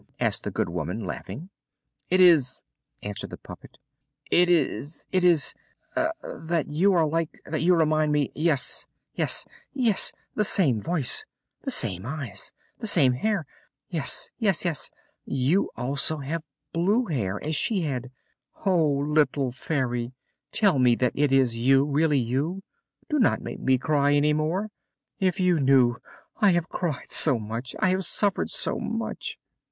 asked the good woman, laughing. "It is " answered the puppet, "it is it is that you are like that you remind me yes, yes, yes, the same voice the same eyes the same hair yes, yes, yes you also have blue hair as she had Oh, little Fairy! tell me that it is you, really you! Do not make me cry any more! If you knew I have cried so much, I have suffered so much."